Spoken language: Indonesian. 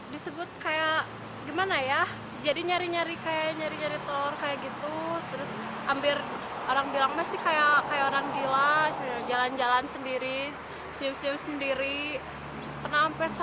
jatuh gara gara nyari pokemon